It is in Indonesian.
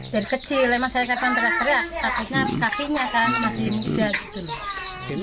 dari kecil emang saya kata kata kakak kakak takutnya kakinya kan masih muda gitu